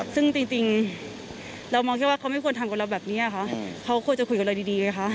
ซึ่งจริงเรามองแค่ว่าเขาไม่ควรทำกับเราแบบนี้ค่ะเขาควรจะคุยกับเราดีไงคะ